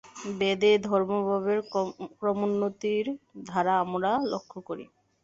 বেদে ধর্মভাবের ক্রমোন্নতির ধারা আমরা লক্ষ্য করি।